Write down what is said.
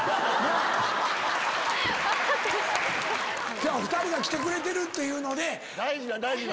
今日は２人が来てくれてるというので。